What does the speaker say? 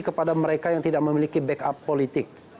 kepada mereka yang tidak memiliki backup politik